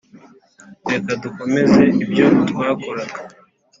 reka dukomeze ibyo twakoraga.